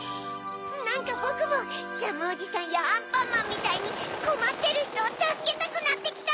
なんかぼくもジャムおじさんやアンパンマンみたいにこまってるひとをたすけたくなってきた！